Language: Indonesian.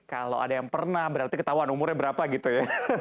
kalau ada yang pernah berarti ketahuan umurnya berapa gitu ya